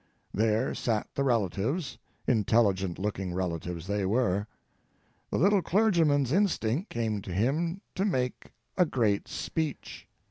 There sat the relatives—intelligent looking relatives they were. The little clergyman's instinct came to him to make a great speech.